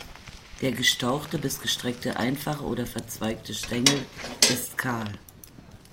Der gestauchte bis gestreckte, einfache oder verzweigte Stängel ist kahl.